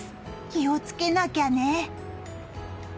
気をつけなきゃね。